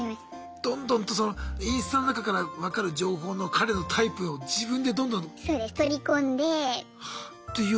どんどんとそのインスタの中から分かる情報の彼のタイプを自分でどんどん。